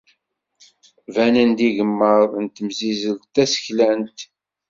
Banen-d yigemmaḍ n temsizzelt taseklant.